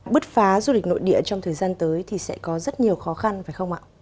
bứt phá du lịch nội địa trong thời gian tới thì sẽ có rất nhiều khó khăn phải không ạ